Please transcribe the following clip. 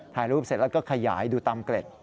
ถ่ายรูปเสร็จแล้วก็ขยายดูตามเกล็ด